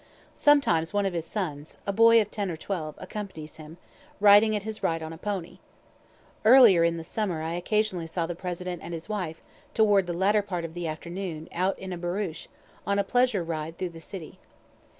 Sometimes one of his sons, a boy of ten or twelve, accompanies him, riding at his right on a pony. Earlier in the summer I occasionally saw the President and his wife, toward the latter part of the afternoon, out in a barouche, on a pleasure ride through the city.